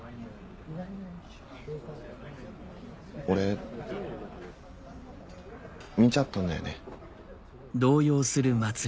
俺見ちゃったんだよね。